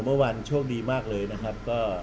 โบสถ์โบสถ์วันวันช่วงดีมากเลยนะครับ